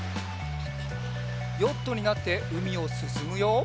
ヨットになってうみをすすむよ。